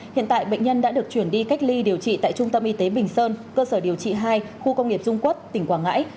hiện tại bệnh nhân đã được chuyển đi cách ly điều trị tại trung tâm y tế bình sơn cơ sở điều trị hai khu công nghiệp dung quất tỉnh quảng ngãi